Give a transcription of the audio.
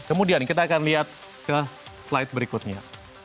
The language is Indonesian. kemudian kita akan lihat ke slide berikutnya